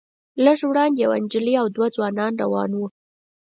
لږ وړاندې یوه نجلۍ او دوه ځوانان روان وو.